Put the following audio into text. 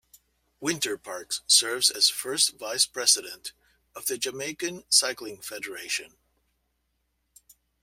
Wynter-Parks serves as first vice-president of the Jamaican Cycling Federation.